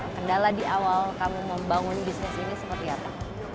kendala di awal kamu membangun bisnis ini seperti apa